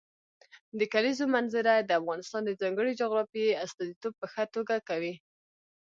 د کلیزو منظره د افغانستان د ځانګړي جغرافیې استازیتوب په ښه توګه کوي.